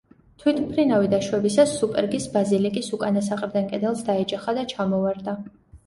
თვითმფრინავი დაშვებისას სუპერგის ბაზილიკის უკანა საყრდენ კედელს დაეჯახა და ჩამოვარდა.